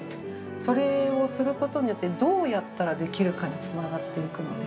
それをすることによって、どうやったらできるかにつながっていくので。